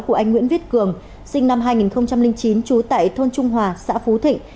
của anh nguyễn viết cường sinh năm hai nghìn chín trú tại thôn trung hòa xã phú thịnh